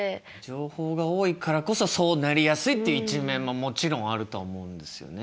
情報が多いからこそそうなりやすいっていう一面ももちろんあるとは思うんですよね。